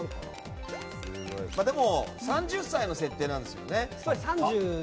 でも、３０歳の設定ですもんね。